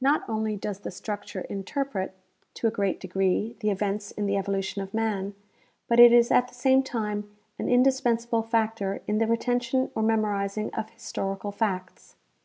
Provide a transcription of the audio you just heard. Not only does the struc ture interpret, to a great degree, the events in the evolution of naan, but it is at the same time an indispensable factor in the retention or memorizing of historical facts.